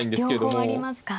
両方ありますか。